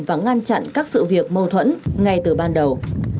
và ngăn chặn các sự việc mâu thuẫn ngay từ ban đầu